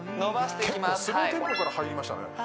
はい結構スローテンポから入りましたね